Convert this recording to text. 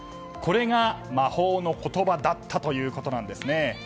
これが魔法の言葉だったということなんです。